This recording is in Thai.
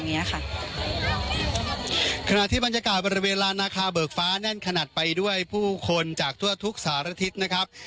ขณะที่บรรยากาศบริเวณลานนาคาเบิกฟ้าแน่นขนาดไปด้วยผู้คนจากทั่วทุกสารทิศนะครับ